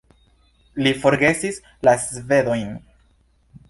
Li forgesis la svedojn.